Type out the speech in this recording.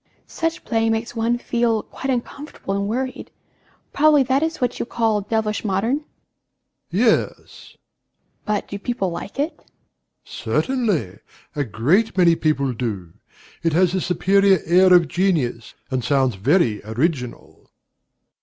EMMA. Such playing makes one feel quite uncomfortable and worried. Probably that is what you call "devilish modern"? DOMINIE. Yes. EMMA. But do people like it? DOMINIE. Certainly: a great many people do. It has the superior air of genius, and sounds very original.